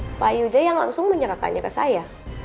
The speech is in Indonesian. hai pak yudha yang langsung menyegakannya ke saya